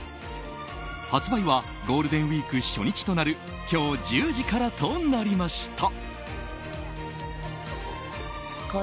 発売はゴールデンウィーク初日となる今日１０時からとなりました。